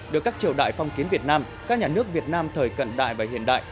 được các triều đại phong kiến việt nam các nhà nước việt nam thời cận đại và hiện đại